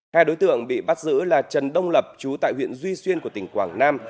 hai đối tượng bị bắt giữ là trần đông lập chú tại huyện duy xuyên của tỉnh quảng nam